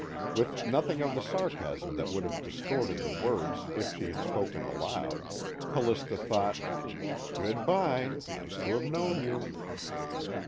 With nothing of the sarcasm that would have distorted the words if she had spoken aloud, Callista thought: _Good bye nice to have known you.